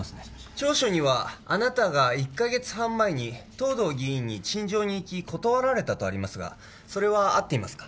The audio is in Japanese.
調書にはあなたが１カ月半前に藤堂議員に陳情に行き断られたとありますがそれはあっていますか？